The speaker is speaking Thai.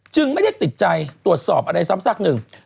ไม่ได้ติดใจตรวจสอบอะไรซ้ำสักหนึ่ง